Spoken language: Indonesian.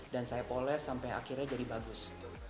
dan saya poles sampai akhirnya jadi bagus